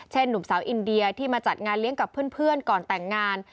หนุ่มสาวอินเดียที่มาจัดงานเลี้ยงกับเพื่อนก่อนแต่งงาน